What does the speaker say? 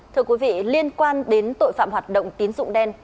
thưa quý vị liên quan đến tội phạm hoạt động tín dụng đen